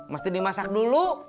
mesti dimasak dulu